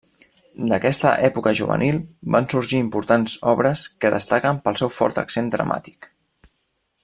D'aquesta època juvenil van sorgir importants obres que destaquen pel seu fort accent dramàtic.